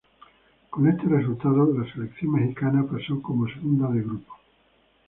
Con este resultado, la selección mexicana pasó como segunda de grupo.